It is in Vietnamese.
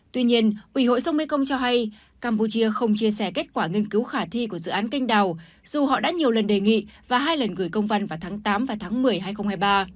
tuy nhiên ủy hội sông mekong cho hay campuchia không chia sẻ kết quả nghiên cứu khả thi của dự án canh đào dù họ đã nhiều lần đề nghị và hai lần gửi công văn vào tháng tám và tháng một mươi hai nghìn hai mươi ba